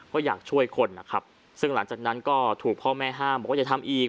ก็อยากช่วยคนนะครับซึ่งหลังจากนั้นก็ถูกพ่อแม่ห้ามบอกว่าอย่าทำอีก